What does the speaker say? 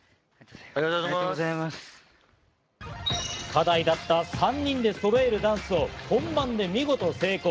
課題だった３人でそろえるダンスを本番で見事成功！